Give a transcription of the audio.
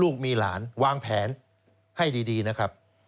ลูกมีหลานวางแผนให้ดีนะครับ